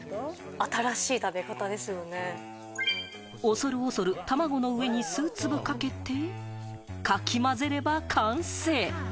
恐る恐る卵の上に数粒かけて、かき混ぜれば完成。